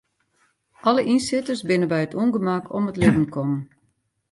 Alle ynsitters binne by it ûngemak om it libben kommen.